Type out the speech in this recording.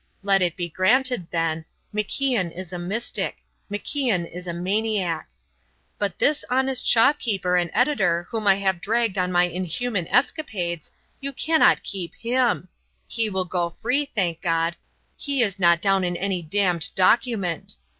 Let it be granted, then MacIan is a mystic; MacIan is a maniac. But this honest shopkeeper and editor whom I have dragged on my inhuman escapades, you cannot keep him. He will go free, thank God, he is not down in any damned document.